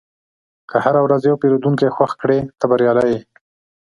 که هره ورځ یو پیرودونکی خوښ کړې، ته بریالی یې.